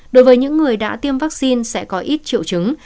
đối với những người đã tiêm vaccine sẽ có ít triệu chứng